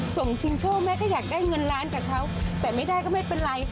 ชิงโชคแม่ก็อยากได้เงินล้านกับเขาแต่ไม่ได้ก็ไม่เป็นไร